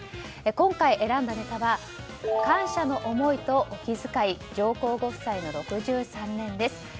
今回選んだネタは感謝の思いとお気遣い上皇ご夫妻の６３年です。